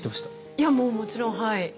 いやもうもちろんはい。